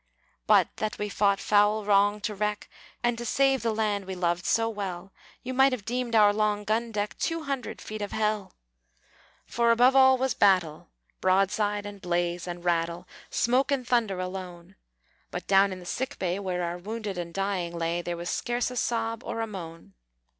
But that we fought foul wrong to wreck, And to save the land we loved so well, You might have deemed our long gun deck Two hundred feet of hell! For above all was battle, Broadside, and blaze, and rattle, Smoke and thunder alone (But, down in the sick bay, Where our wounded and dying lay, There was scarce a sob or a moan).